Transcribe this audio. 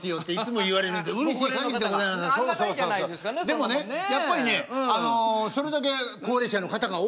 でもねやっぱりねそれだけ高齢者の方が多いわけ。